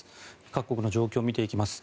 各国の状況を見ていきます。